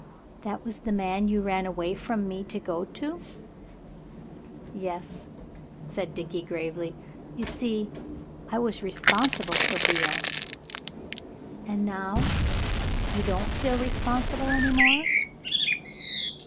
"That was the man you ran away from me to go to?" "Yes," said Dickie gravely; "you see, I was responsible for Beale." "And now? Don't you feel responsible any more?"